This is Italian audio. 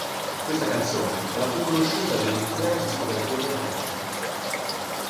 Questa canzone è la più conosciuta dell'intera discografia del rapper.